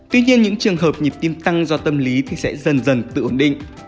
tuy nhiên những trường hợp nhịp tim tăng do tâm lý thì sẽ dần dần tự ổn định